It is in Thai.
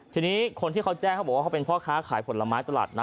ทีนี้คนที่เขาแจ้งเขาบอกว่าเขาเป็นพ่อค้าขายผลไม้ตลาดนะ